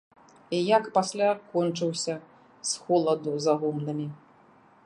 І як пасля кончыўся з холаду за гумнамі.